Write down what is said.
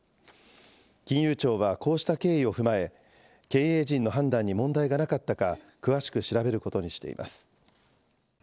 金融庁はこうした経緯をふまえ、経営陣の判断に問題がなかったか、詳しく調べることにしています。